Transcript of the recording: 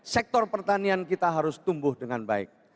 sektor pertanian kita harus tumbuh dengan baik